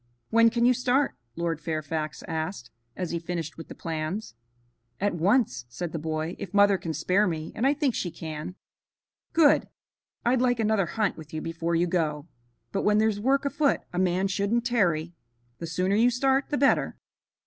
"When can you start?" Lord Fairfax asked, as he finished with the plans. "At once," said the boy, "if mother can spare me, and I think she can." "Good. I'd like another hunt with you before you go, but when there's work afoot a man shouldn't tarry. The sooner you start the better."